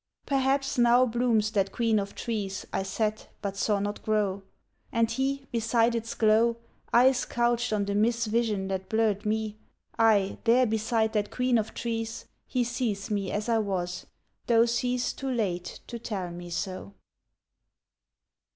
Perhaps now blooms that queen of trees I set but saw not grow, And he, beside its glow— Eyes couched of the mis vision that blurred me— Ay, there beside that queen of trees He sees me as I was, though sees Too late to tell me so!